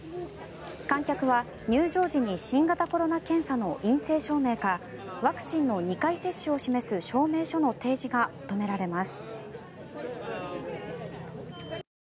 観客は入場時に新型コロナ検査の陰性証明かワクチンの２回接種を示す証明書の提示が求められます。